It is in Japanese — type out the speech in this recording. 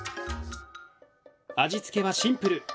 味付けはシンプル！